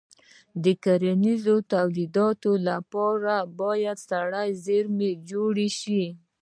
د کرنیزو تولیداتو لپاره باید سړه زېرمې جوړې شي.